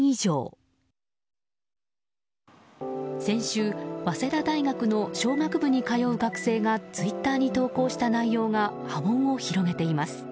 先週、早稲田大学の商学部に通う学生がツイッターに投稿した内容が波紋を広げています。